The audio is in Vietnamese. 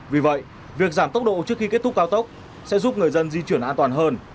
vì vậy việc giảm tốc độ trước khi kết thúc cao tốc sẽ giúp người dân di chuyển an toàn hơn